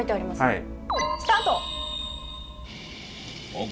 はい。